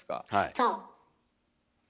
そう。